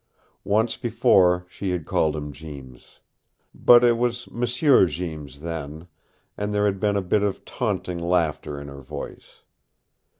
Once before she had called him Jeems. But it was M'sieu Jeems then, and there had been a bit of taunting laughter in her voice.